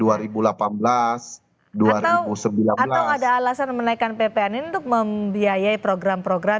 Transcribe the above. atau ada alasan menaikkan ppn ini untuk membiayai program program